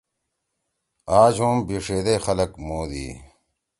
آج ہُم بیِݜے دے خلگ مودی۔